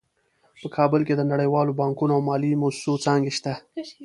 په کابل کې د نړیوالو بانکونو او مالي مؤسسو څانګې شته